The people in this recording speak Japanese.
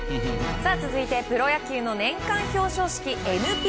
続いてプロ野球の年間表彰式ＮＰＢＡＷＡＲＤＳ。